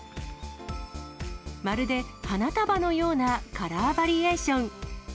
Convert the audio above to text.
まるで花束のようなカラーバリエーション。